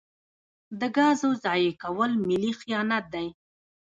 د ګازو ضایع کول ملي خیانت دی.